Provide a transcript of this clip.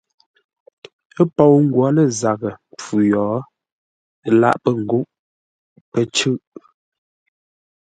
Ə́ pou ngwǒ lə́ zaghʼə mpfu yo, ə lâʼ pə̂ ngúʼ; pə́ cʉ̂ʼ.